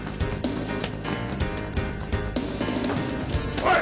おい！